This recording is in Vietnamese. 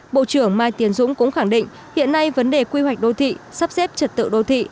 bộ trưởng mai tiến dũng cũng khẳng định hiện nay vấn đề quy hoạch đô thị sắp xếp trật tự đô thị